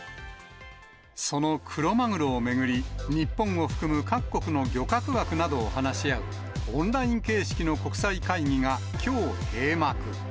そのクロマグロを巡り、日本を含む各国の漁獲枠などを話し合う、オンライン形式の国際会議が、きょう閉幕。